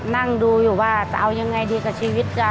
นั่งดูอยู่ว่าจะเอายังไงดีกับชีวิตจะ